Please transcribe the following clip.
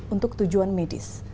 untuk tujuan medis